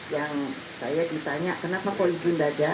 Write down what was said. yang saya ditanya kenapa koizun tidak ada